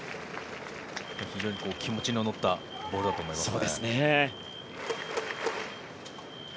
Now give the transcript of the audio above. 非常に気持ちの乗ったボールだと思います。